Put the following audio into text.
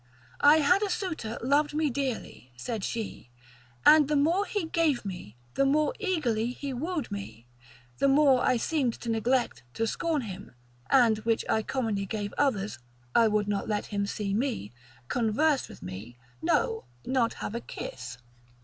I had a suitor loved me dearly (said she), and the more he gave me, the more eagerly he wooed me, the more I seemed to neglect, to scorn him, and which I commonly gave others, I would not let him see me, converse with me, no, not have a kiss.